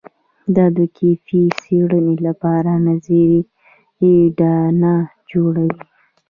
دا د کیفي څېړنې لپاره نظري اډانه جوړوي.